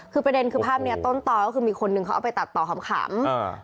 คือประเด็นคือภาพเนี้ยต้นต่อก็คือมีคนนึงเขาเอาไปตัดต่อขำขำอ่า